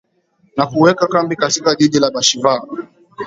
na kuweka kambi katika jiji la bashivaa